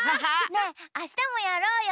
ねえあしたもやろうよ。